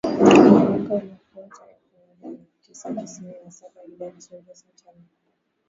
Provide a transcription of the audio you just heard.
Na mwaka uliofuata elfu moja mia tisa tisini na saba Idhaa ya Kiswahili ya Sauti ya Amerika